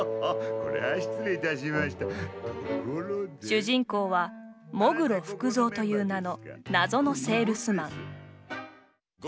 主人公は喪黒福造という名の謎のセールスマン。